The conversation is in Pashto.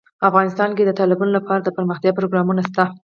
افغانستان کې د تالابونه لپاره دپرمختیا پروګرامونه شته.